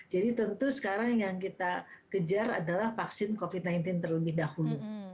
jadi tentu sekarang yang kita kejar adalah vaksin covid sembilan belas terlebih dahulu